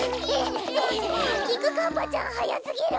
きくかっぱちゃんはやすぎる！